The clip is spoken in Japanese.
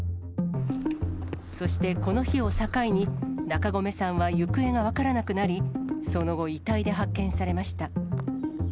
そしてこの日を境に、中込さんは行方が分からなくなり、その後、遺体で発見されました。